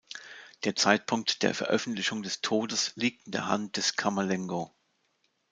Der Zeitpunkt der Veröffentlichung des Todes liegt in der Hand des Camerlengo.